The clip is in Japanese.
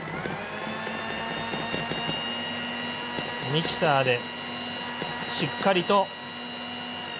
ミキサーでしっかりと。